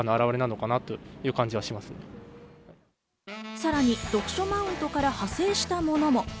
さらに読書マウントから派生したものも。